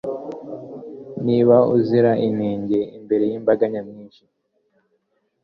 niba uzira inenge imbere y'imbaganyamwinshi